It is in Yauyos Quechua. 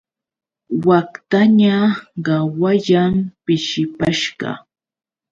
Waktaña qawayan, pishipashqa.